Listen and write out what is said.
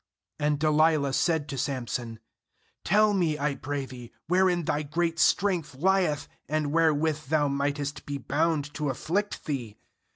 6And Delilah said to Samson: 'Tell me, I pray thee, wherein thy great strength lieth, and wherewith thou mightest be bound to afflict thee.